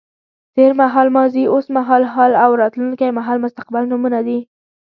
تېر مهال ماضي، اوس مهال حال او راتلونکی مهال مستقبل نومونه دي.